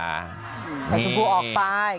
สีจำพูออกไป